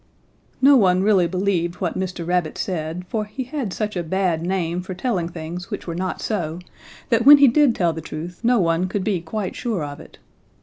"No one really believed what Mr. Rabbit said, for he had such a bad name for telling things which were not so that when he did tell the truth no one could be quite sure of it.